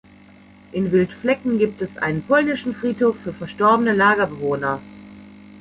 In Wildflecken gibt es einen polnischen Friedhof für verstorbene Lagerbewohner.